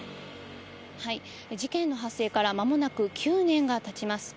事件の発生からまもなく９年がたちます。